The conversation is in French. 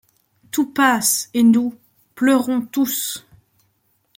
Tout passe, et nous. pleurons tous !